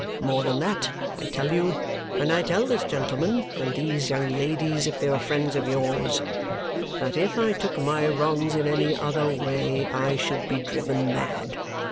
More than that, I tell you and I tell this gentleman, and these young ladies, if they are friends of yours that if I took my wrongs in any other way, I should be driven mad!